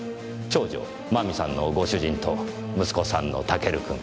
長女真美さんのご主人と息子さんのタケル君。